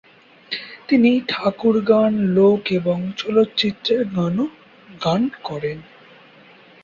তিনি ঠাকুর গান, লোক এবং চলচ্চিত্রের গানও গান করেন।